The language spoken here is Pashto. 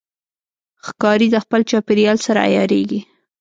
ښکاري د خپل چاپېریال سره عیارېږي.